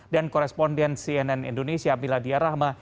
dan koresponden cnn indonesia miladia rahma